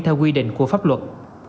theo quy định của pháp luật